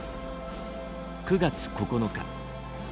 ９月９日。